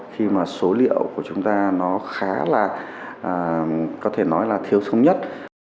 khi mà số liệu của chúng ta nó khá là có thể nói là thiếu thống nhất